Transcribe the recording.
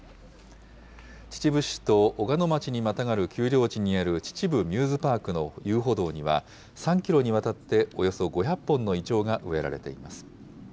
秩父市と小鹿野町にまたがる丘陵地にある秩父ミューズパークの遊歩道には、３キロにわたって、およそ５００本のイチョウが植えられています。